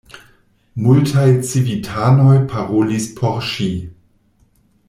Multaj civitanoj parolis por ŝi.